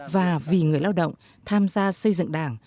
và vì người lao động tham gia xây dựng đảng